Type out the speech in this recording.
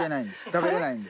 食べられないんで。